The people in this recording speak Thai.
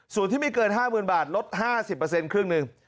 ส่วนที่ไม่เกิน๕๐๐๐บาทลด๕๐ครึ่งหนึ่ง